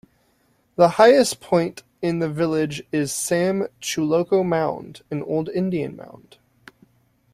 The highest point in the village is Sam Chuloco Mound, an old Indian mound.